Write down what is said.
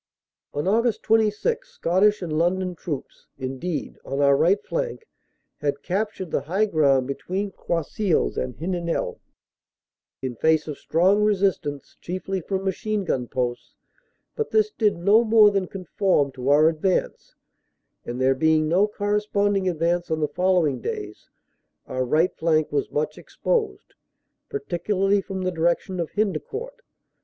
On Aug. 26 Scottish and London troops, indeed, on our right flank, had captured the high 142 CANADA S HUNDRED DAYS ground between Croisilles and Heninel, in face of strong resistance, chiefly from machine gun posts. But this did no more than conform to our advance and, there being no corres ponding advance on the following days, our right flank was much exposed, particularly from the direction of Hendecourt.